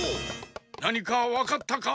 なにかわかったか？